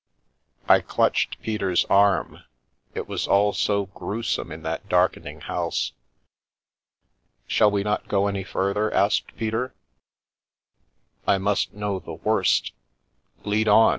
I clutched Peter's arm ; it was all so gruesome in that dark ening house. " Shall we not go any further?" asked Peter. " I must know the worst ! Lead on